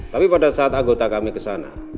tapi pada saat anggota kami kesana